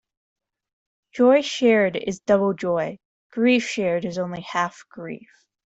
Joy shared is double joy; grief shared is only half grief.